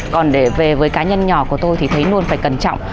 còn để về với cá nhân nhỏ của tôi thì thấy luôn phải cẩn trọng